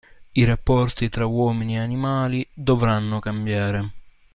I rapporti tra uomini e animali "dovranno" cambiare.